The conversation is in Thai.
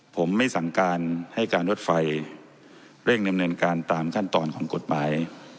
ผมไม่สั่งการให้การรถไฟเร่งดำเนินการตามขั้นตอนของกฎหมาย